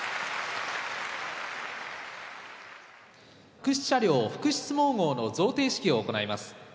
福祉車両福祉相撲号の贈呈式を行います。